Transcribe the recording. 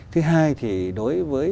thứ hai thì đối với